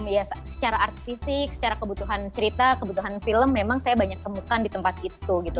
ya secara artistik secara kebutuhan cerita kebutuhan film memang saya banyak temukan di tempat itu gitu